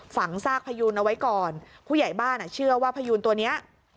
ฝากซากพยูนเอาไว้ก่อนผู้ใหญ่บ้านอ่ะเชื่อว่าพยูนตัวเนี้ย